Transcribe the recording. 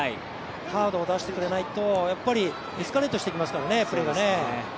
カードを出してくれないとエスカレートしていきますからねプレーがね。